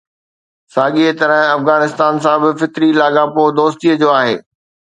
ساڳيءَ طرح افغانستان سان به فطري لاڳاپو دوستيءَ جو آهي.